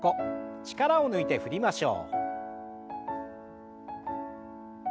力を抜いて振りましょう。